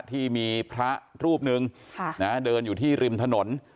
ที่มีพระรูปหนึ่งเดินอยู่ที่ริมถนน